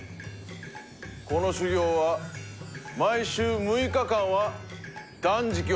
この修行は毎週６日間は断食をしてもらう。